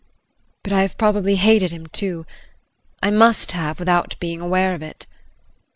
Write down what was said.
But I have probably hated him too, I must have without being aware of it.